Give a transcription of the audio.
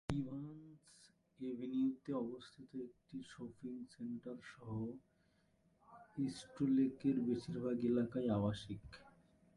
Evans এভিনিউতে অবস্থিত একটি শপিং সেন্টারসহ ইস্টলেকের বেশিরভাগ এলাকাই আবাসিক।